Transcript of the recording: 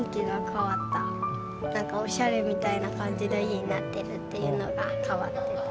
なんかおしゃれみたいな感じの家になってるっていうのが変わってた。